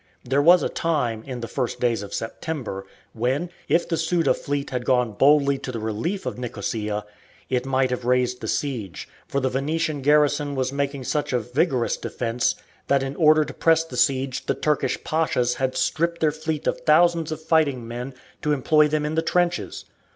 There was a time, in the first days of September, when, if the Suda fleet had gone boldly to the relief of Nicosia, it might have raised the siege, for the Venetian garrison was making such a vigorous defence that in order to press the siege the Turkish pashas had stripped their fleet of thousands of fighting men to employ them in the trenches.